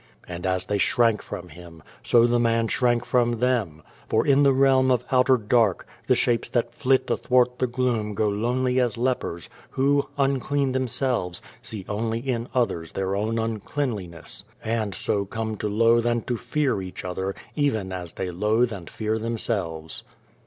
And as they shrank from him, so the man shrank from them ; for in the realm of outer dark, the shapes that flit athwart the gloom go lonely as lepers, who, unclean themselves, see only in others their own uncleanliness, and so come to loathe and to fear each other, even as they loathe and fear themselves.